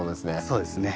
そうですね。